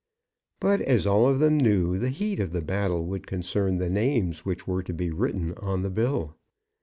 But, as all of them knew, the heat of the battle would concern the names which were to be written on the bill.